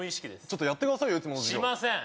ちょっとやってくださいよしません！